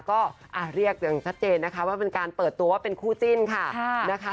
ก็เรียกอย่างชัดเจนนะคะว่าเป็นการเปิดตัวว่าเป็นคู่จิ้นค่ะนะคะ